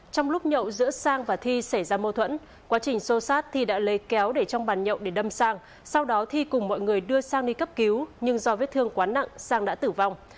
trong lúc nhậu giữa sang và thi xảy ra mâu thuẫn quá trình xô sát thi đã lấy kéo để trong bàn nhậu để đâm sang sau đó thi cùng mọi người đưa sang đi cấp cứu nhưng do vết thương quá nặng sang đã tử vong